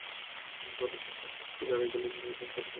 অলক স্পষ্ট করে জানিয়ে দিলেন, নিজেকে প্রমাণ করার কোনো তাগিদ নেই।